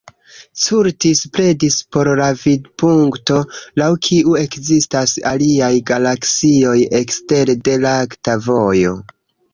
Curtis pledis por la vidpunkto, laŭ kiu ekzistas aliaj galaksioj ekstere de Lakta Vojo.